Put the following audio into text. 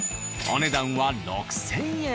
お値段は６０００円。